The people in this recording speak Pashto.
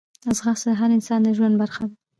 ځغاسته د هر انسان د ژوند برخه ده